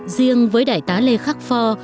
riêng với đại tá lê khắc phò